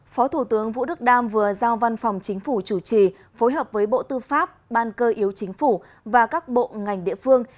phó thủ tướng vũ đức đam vừa giao văn phòng chính phủ chủ trì phối hợp với bộ tư pháp ban cơ yếu chính phủ và các bộ ngành địa phương